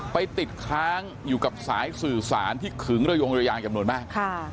ไปติดค้างอยู่กับสายสื่อสารที่ขึงระยงระยางจำนวนมาก